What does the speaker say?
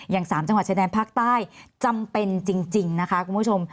อย่างสามจังหวัดเชียดแดนภาคใต้จำเป็นจริงนะคะคุณผู้ชม